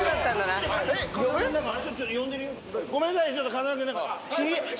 ごめんなさい。